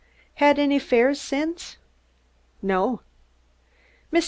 "Had any fares since?" "No."